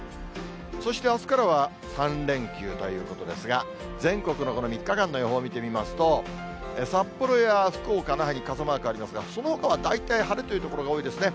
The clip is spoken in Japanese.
そしてあすからは３連休ということですが、全国のこの３日間の予報を見てみますと、札幌や福岡、那覇に傘マークがありますが、そのほかは大体晴れという所が多いですね。